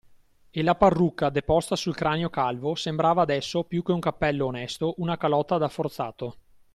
E la parrucca deposta sul cranio calvo sembrava adesso, più che un cappello onesto, una calotta da forzato.